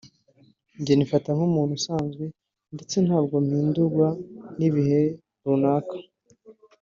njye nifata nk’umuntu usanzwe ndetse ntabwo mpindurwa n’ibihe runaka